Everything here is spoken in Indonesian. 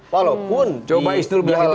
walaupun dihalangi coba isnur bilang itu